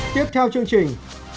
tiếp theo chương trình